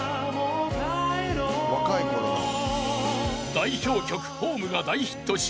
［代表曲『ｈｏｍｅ』が大ヒットし］